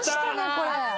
これ。